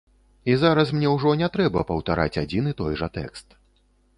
І зараз мне ўжо не трэба паўтараць адзін і той жа тэкст.